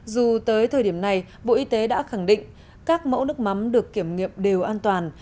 dù tới thời điểm này bộ y tế đã khẳng định các mẫu nước mắm được kiểm nghiệm đều an toàn